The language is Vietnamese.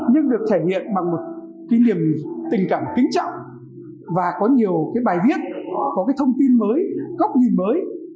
nhưng được thể hiện bằng một kỷ niệm tình cảm kính trọng và có nhiều bài viết có thông tin mới góc nhìn mới